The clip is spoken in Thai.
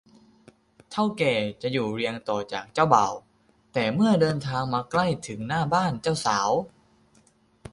เถ้าแก่จะอยู่เรียงต่อจากเจ้าบ่าว แต่เมื่อเดินทางมาใกล้ถึงหน้าบ้านเจ้าสาว